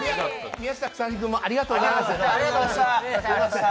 宮下草薙君もありがとうございます。